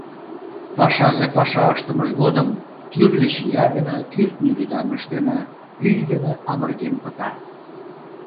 Пашазе паша ыштымыж годым тӱрлӧ чия дене, кӱртньӧ рӱдаҥыш дене, ӱй дене амырген пыта.